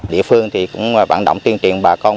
địa phương thì cũng vận động tuyên truyền bà con